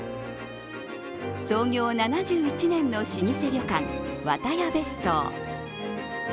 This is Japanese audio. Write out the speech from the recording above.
創業７１年の老舗旅館、和多屋別荘。